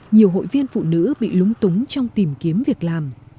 nhiều hội viên phụ nữ bị lúng túng trong tìm kiếm việc làm